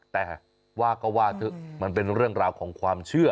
แต่ว่าก็ว่าเถอะมันเป็นเรื่องราวของความเชื่อ